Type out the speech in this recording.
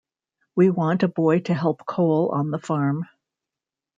We want a boy to help Cole on the farm.